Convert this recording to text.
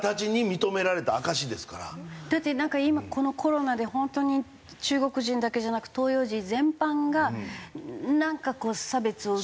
だってなんか今このコロナで本当に中国人だけじゃなく東洋人全般がなんかこう差別を受ける。